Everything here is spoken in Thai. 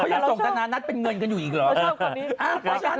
เค้าอยากส่งธนาณัฐเป็นเงินกันอยู่อีกหรอ